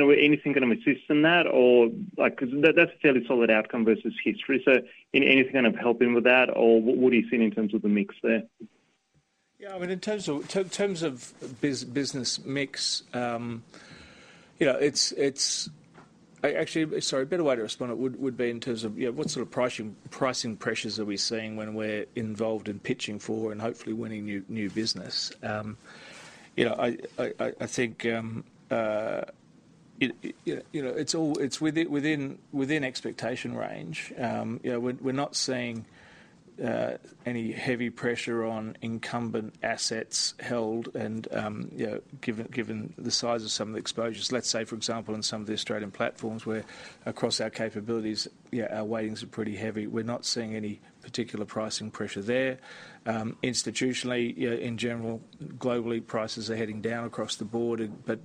would anything kind of assist in that? Because that's a fairly solid outcome versus history. So anything kind of helping with that, or what do you see in terms of the mix there? Yeah, I mean, in terms of business mix, actually, sorry, a better way to respond would be in terms of what sort of pricing pressures are we seeing when we're involved in pitching for and hopefully winning new business? I think it's within expectation range. We're not seeing any heavy pressure on incumbent assets held and given the size of some of the exposures. Let's say, for example, in some of the Australian platforms where across our capabilities our weightings are pretty heavy, we're not seeing any particular pricing pressure there. Institutionally, in general, globally, prices are heading down across the board, but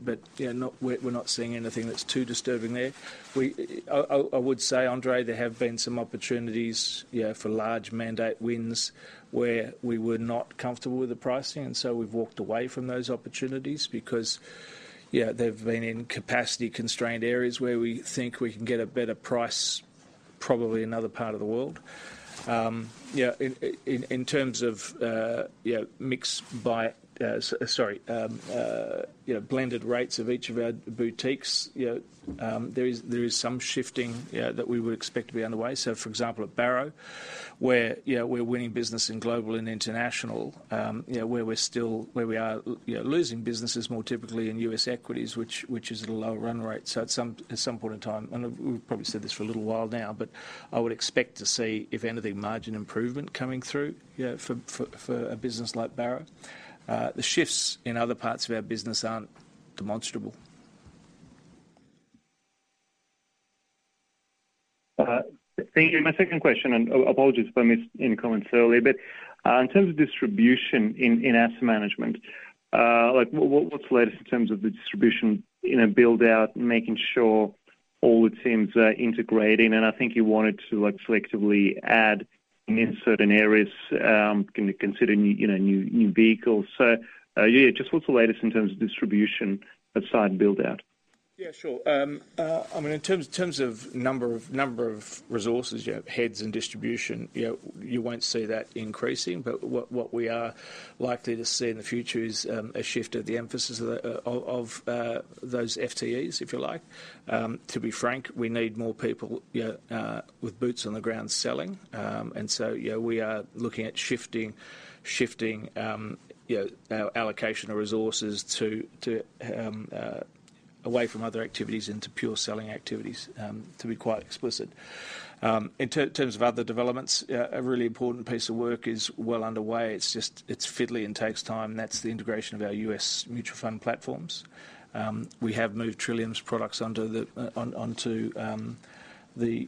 we're not seeing anything that's too disturbing there. I would say, Andrei, there have been some opportunities for large mandate wins where we were not comfortable with the pricing. And so we've walked away from those opportunities because they've been in capacity-constrained areas where we think we can get a better price, probably in another part of the world. In terms of mixed by sorry, blended rates of each of our boutiques, there is some shifting that we would expect to be underway. So, for example, at Barrow, where we're winning business in global and international, where we're still where we are losing businesses more typically in U.S. equities, which is at a lower run rate. So at some point in time, and we've probably said this for a little while now, but I would expect to see, if anything, margin improvement coming through for a business like Barrow. The shifts in other parts of our business aren't demonstrable. Thank you. My second question, and apologies if I missed any comments earlier, but in terms of distribution in asset management, what's the latest in terms of the distribution in a build-out, making sure all the teams are integrating? And I think you wanted to selectively add in certain areas, consider new vehicles. So just what's the latest in terms of distribution side build-out? Yeah, sure. I mean, in terms of number of resources, heads and distribution, you won't see that increasing. But what we are likely to see in the future is a shift of the emphasis of those FTEs, if you like. To be frank, we need more people with boots on the ground selling. And so we are looking at shifting our allocation of resources away from other activities into pure selling activities, to be quite explicit. In terms of other developments, a really important piece of work is well underway. It's fiddly and takes time. That's the integration of our U.S. mutual fund platforms. We have moved Trillium's products onto the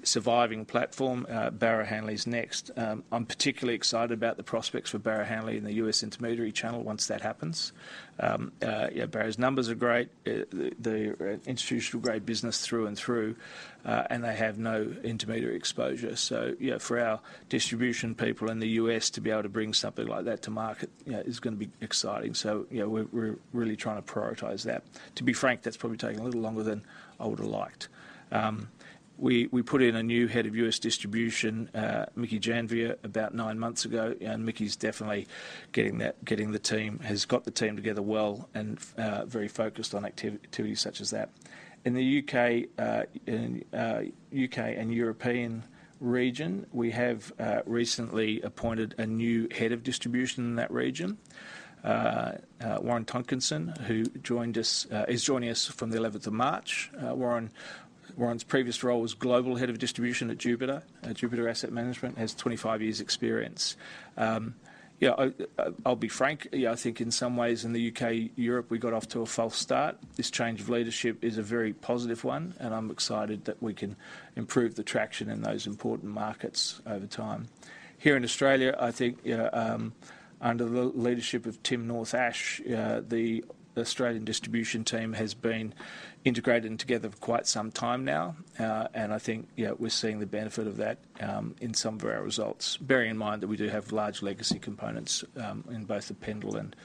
surviving platform. Barrow Hanley's next. I'm particularly excited about the prospects for Barrow Hanley and the U.S. intermediary channel once that happens. Barrow's numbers are great. The institutional-grade business through and through, and they have no intermediary exposure. So for our distribution people in the U.S. to be able to bring something like that to market is going to be exciting. So we're really trying to prioritize that. To be frank, that's probably taking a little longer than I would have liked. We put in a new head of U.S. distribution, Mickey Janvier, about nine months ago. Mickey's definitely got the team together well and very focused on activities such as that. In the U.K. and European region, we have recently appointed a new head of distribution in that region, Warren Tonkinson, who is joining us from the 11th of March. Warren's previous role was global head of distribution at Jupiter Asset Management and has 25 years' experience. I'll be frank, I think in some ways in the U.K., Europe, we got off to a false start. This change of leadership is a very positive one. I'm excited that we can improve the traction in those important markets over time. Here in Australia, I think under the leadership of Tim Nourse, the Australian distribution team has been integrated together for quite some time now. I think we're seeing the benefit of that in some of our results, bearing in mind that we do have large legacy components in both the Pendal and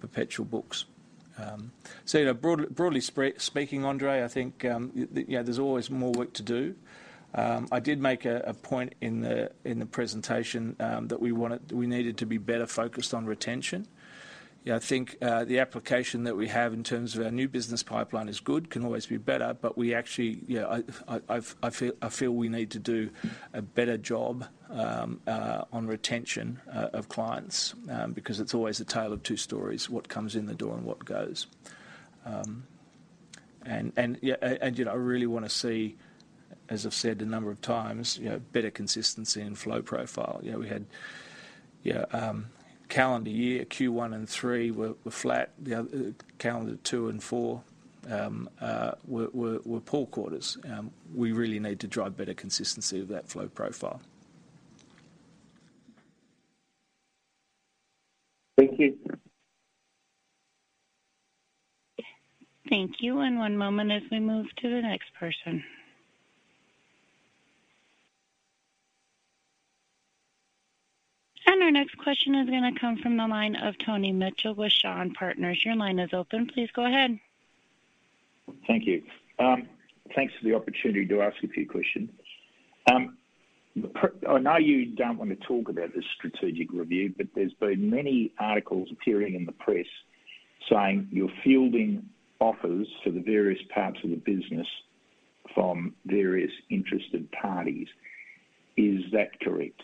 Perpetual books. Broadly speaking, Andrei, I think there's always more work to do. I did make a point in the presentation that we needed to be better focused on retention. I think the application that we have in terms of our new business pipeline is good, can always be better, but we actually I feel we need to do a better job on retention of clients because it's always a tale of two stories, what comes in the door and what goes. I really want to see, as I've said a number of times, better consistency in flow profile. We had calendar year Q1 and Q3 were flat. Calendar Q2 and Q4 were poor quarters. We really need to drive better consistency of that flow profile. Thank you. Thank you. One moment as we move to the next person. Our next question is going to come from the line of Tony Mitchell with Shaw Partners. Your line is open. Please go ahead. Thank you. Thanks for the opportunity to ask a few questions. I know you don't want to talk about this strategic review, but there's been many articles appearing in the press saying you're fielding offers for the various parts of the business from various interested parties. Is that correct?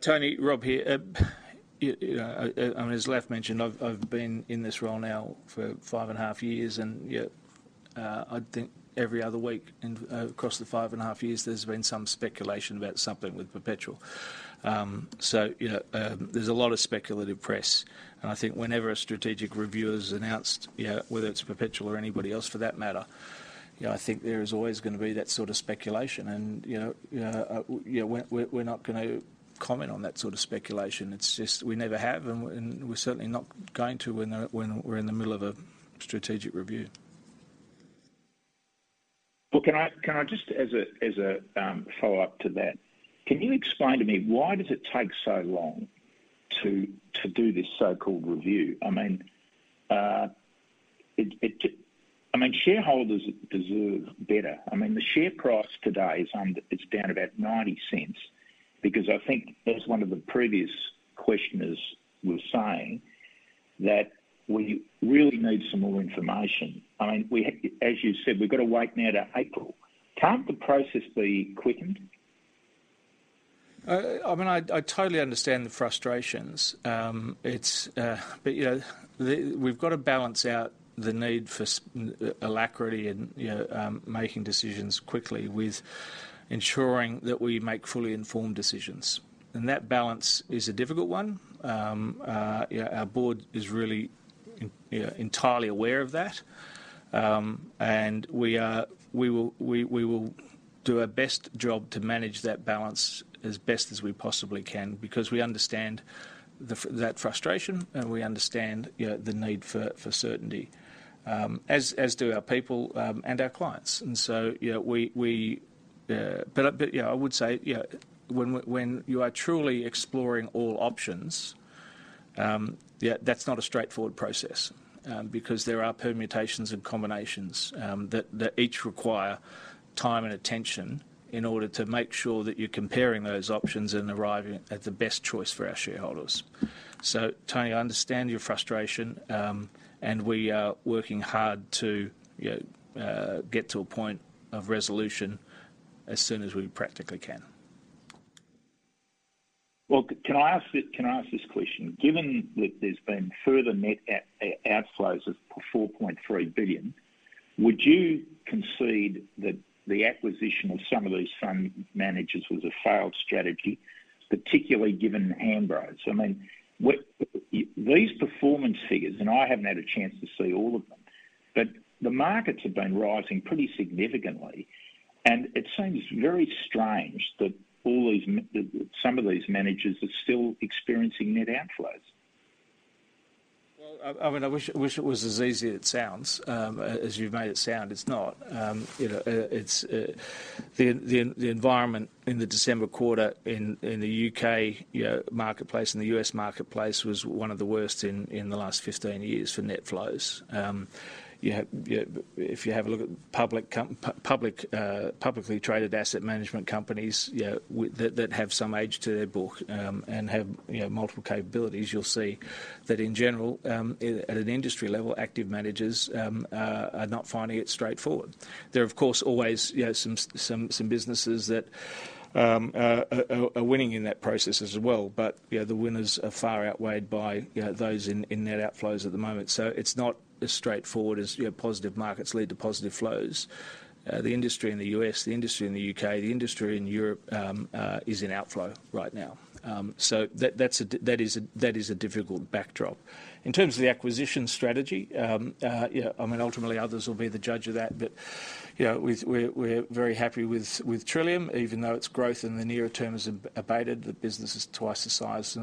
Tony, Rob here. As Laf mentioned, I've been in this role now for five and a half years. And I think every other week across the five and a half years, there's been some speculation about something with Perpetual. So there's a lot of speculative press. And I think whenever a strategic review is announced, whether it's Perpetual or anybody else for that matter, I think there is always going to be that sort of speculation. And we're not going to comment on that sort of speculation. We never have, and we're certainly not going to when we're in the middle of a strategic review. Well, can I just as a follow-up to that, can you explain to me why does it take so long to do this so-called review? I mean, shareholders deserve better. I mean, the share price today is down about 0.90 because I think, as one of the previous questioners was saying, that we really need some more information. I mean, as you said, we've got to wait now to April. Can't the process be quickened? I mean, I totally understand the frustrations. But we've got to balance out the need for alacrity and making decisions quickly with ensuring that we make fully informed decisions. That balance is a difficult one. Our board is really entirely aware of that. We will do our best job to manage that balance as best as we possibly can because we understand that frustration and we understand the need for certainty, as do our people and our clients. So we but I would say when you are truly exploring all options, that's not a straightforward process because there are permutations and combinations that each require time and attention in order to make sure that you're comparing those options and arriving at the best choice for our shareholders. So, Tony, I understand your frustration. And we are working hard to get to a point of resolution as soon as we practically can. Well, can I ask this question? Given that there's been further net outflows of 4.3 billion, would you concede that the acquisition of some of these fund managers was a failed strategy, particularly given Hambro? So I mean, these performance figures and I haven't had a chance to see all of them, but the markets have been rising pretty significantly. And it seems very strange that some of these managers are still experiencing net outflows. Well, I mean, I wish it was as easy as it sounds. As you've made it sound, it's not. The environment in the December quarter in the U.K. marketplace, in the U.S. marketplace, was one of the worst in the last 15 years for net flows. If you have a look at publicly traded asset management companies that have some age to their book and have multiple capabilities, you'll see that, in general, at an industry level, active managers are not finding it straightforward. There are, of course, always some businesses that are winning in that process as well. But the winners are far outweighed by those in net outflows at the moment. So it's not as straightforward as positive markets lead to positive flows. The industry in the U.S., the industry in the U.K., the industry in Europe is in outflow right now. So that is a difficult backdrop. In terms of the acquisition strategy, I mean, ultimately, others will be the judge of that. But we're very happy with Trillium, even though its growth in the nearer term has abated. The business is twice the size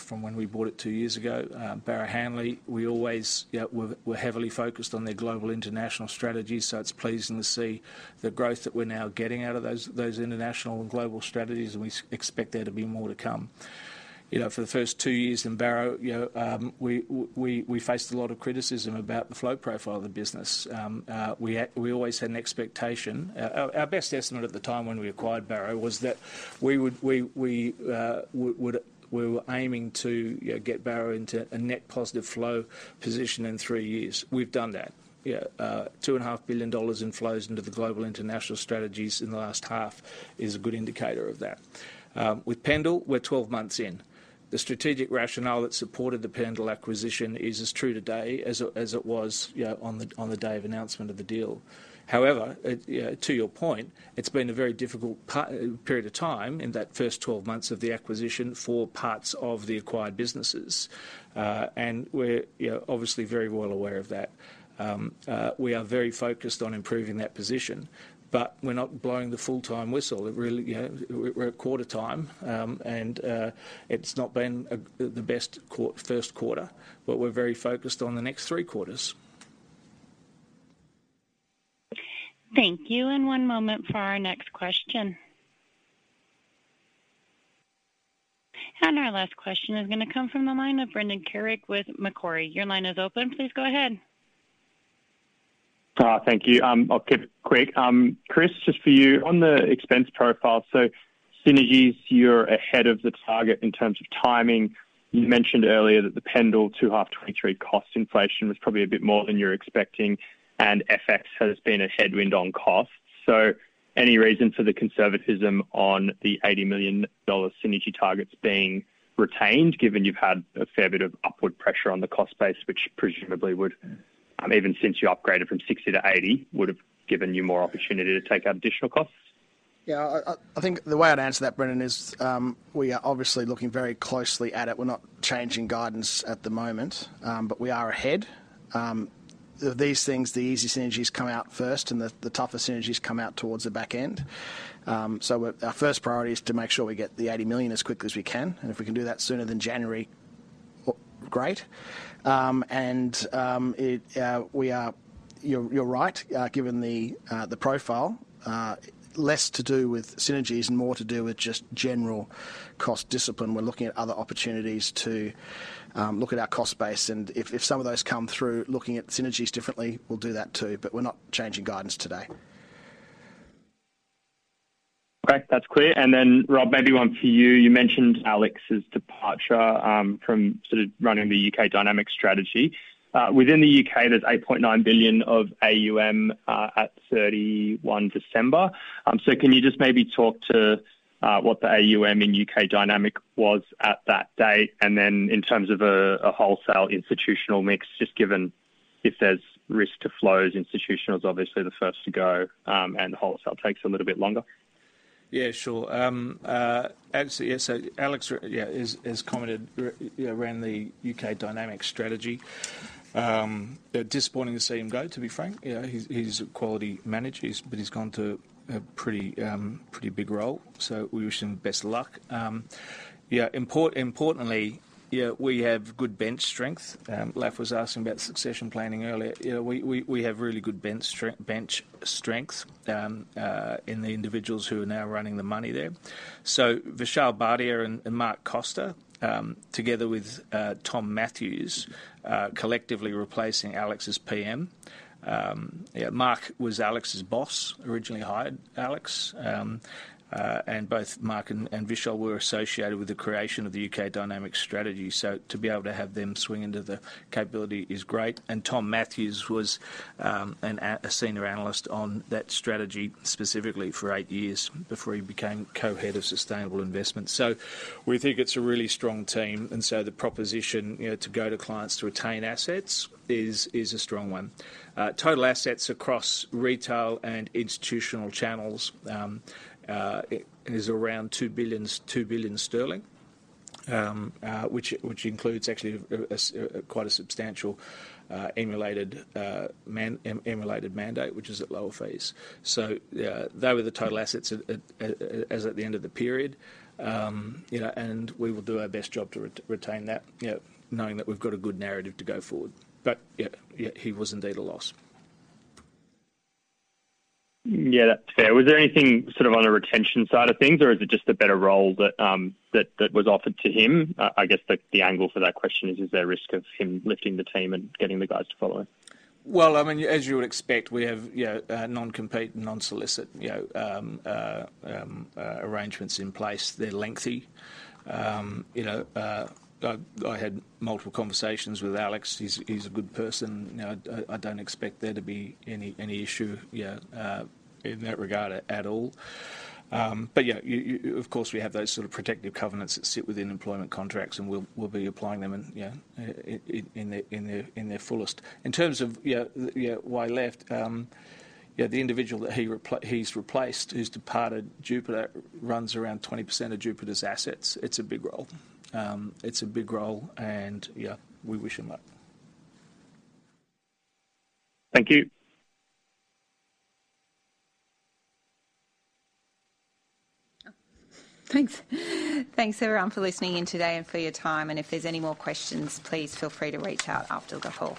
from when we bought it two years ago. Barrow Hanley, we always were heavily focused on their global international strategies. It's pleasing to see the growth that we're now getting out of those international and global strategies. We expect there to be more to come. For the first two years in Barrow, we faced a lot of criticism about the flow profile of the business. We always had an expectation our best estimate at the time when we acquired Barrow was that we were aiming to get Barrow into a net positive flow position in three years. We've done that. $2.5 billion in flows into the global international strategies in the last half is a good indicator of that. With Pendal, we're 12 months in. The strategic rationale that supported the Pendal acquisition is as true today as it was on the day of announcement of the deal. However, to your point, it's been a very difficult period of time in that first 12 months of the acquisition for parts of the acquired businesses. And we're obviously very well aware of that. We are very focused on improving that position. But we're not blowing the full-time whistle. We're at quarter time. And it's not been the best Q1. But we're very focused on the next three quarters. Thank you. And one moment for our next question. And our last question is going to come from the line of Brendan Carrig with Macquarie. Your line is open. Please go ahead. Thank you. I'll keep it quick. Chris, just for you, on the expense profile, so synergies, you're ahead of the target in terms of timing. You mentioned earlier that the Pendal 2H 2023 cost inflation was probably a bit more than you were expecting. FX has been a headwind on costs. Any reason for the conservatism on the 80 million dollar synergy targets being retained, given you've had a fair bit of upward pressure on the cost base, which presumably would, even since you upgraded from 60 to 80, would have given you more opportunity to take out additional costs? Yeah, I think the way I'd answer that, Brendan, is we are obviously looking very closely at it. We're not changing guidance at the moment. We are ahead. Of these things, the easy synergies come out first. The tougher synergies come out towards the back end. Our first priority is to make sure we get the 80 million as quickly as we can. If we can do that sooner than January, great. And you're right, given the profile, less to do with synergies and more to do with just general cost discipline. We're looking at other opportunities to look at our cost base. And if some of those come through looking at synergies differently, we'll do that too. But we're not changing guidance today. OK, that's clear. And then, Rob, maybe one for you. You mentioned Alex's departure from sort of running the U.K. Dynamic Strategy. Within the U.K., there's 8.9 billion of AUM at 31 December. So can you just maybe talk to what the AUM in U.K. Dynamic was at that date? And then in terms of a wholesale institutional mix, just given if there's risk to flows, institutional is obviously the first to go. And wholesale takes a little bit longer. Yeah, sure. Absolutely. Yeah, so Alex has commented around the U.K. Dynamic Strategy. Disappointing to see him go, to be frank. He's a quality manager. But he's gone to a pretty big role. So we wish him best luck. Importantly, we have good bench strength. Lafitani was asking about succession planning earlier. We have really good bench strength in the individuals who are now running the money there. So Vishal Bhatia and Mark Costar, together with Tom Matthews, collectively replacing Alex as PM. Mark was Alex's boss, originally hired Alex. And both Mark and Vishal were associated with the creation of the U.K. Dynamic Strategy. So to be able to have them swing into the capability is great. And Tom Matthews was a senior analyst on that strategy specifically for eight years before he became co-head of Sustainable Investments. So we think it's a really strong team. And so the proposition to go to clients to retain assets is a strong one. Total assets across retail and institutional channels is around 2 billion, which includes actually quite a substantial emulated mandate, which is at lower fees. So those are the total assets as at the end of the period. And we will do our best job to retain that, knowing that we've got a good narrative to go forward. But he was indeed a loss. Yeah, that's fair. Was there anything sort of on the retention side of things? Or is it just a better role that was offered to him? I guess the angle for that question is, is there a risk of him lifting the team and getting the guys to follow? Well, I mean, as you would expect, we have non-compete and non-solicit arrangements in place. They're lengthy. I had multiple conversations with Alex. He's a good person. I don't expect there to be any issue in that regard at all. But, yeah, of course, we have those sort of protective covenants that sit within employment contracts. And we'll be applying them in their fullest. In terms of why left, the individual that he's replaced, who's departed Jupiter, runs around 20% of Jupiter's assets. It's a big role. It's a big role. And we wish him luck. Thank you. Thanks. Thanks, everyone, for listening in today and for your time. And if there's any more questions, please feel free to reach out after the call.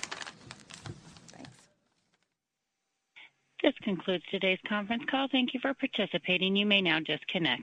Thanks. This concludes today's conference call. Thank you for participating. You may now disconnect.